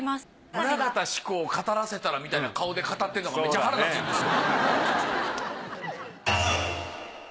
棟方志功を語らせたらみたいな顔で語ってるのがめっちゃ腹立つんですよ。